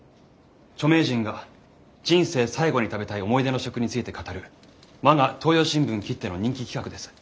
著名人が人生最後に食べたい思い出の食について語る我が東洋新聞きっての人気企画です。